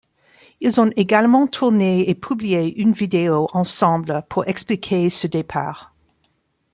Ils ont également tourné et publié une vidéo ensemble pour expliquer ce départ.